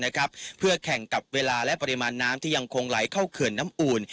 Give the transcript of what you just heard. เพื่อแข่งกับเวลาและปริมาณน้ำที่ยังคงไหลเข้าเขื่อนน้ำอูล